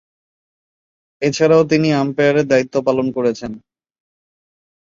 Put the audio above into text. এছাড়াও তিনি আম্পায়ারের দায়িত্ব পালন করেছেন।